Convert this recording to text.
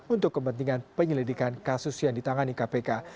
untuk kepentingan penyelidikan kasus yang ditangani kpk